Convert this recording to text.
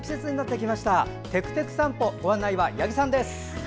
「てくてく散歩」ご案内は八木さんです。